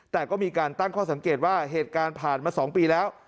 แต่ก็มีการตั้งข้อสังเกตว่าเหตุการณ์ผ่านมา๒ปีแล้ว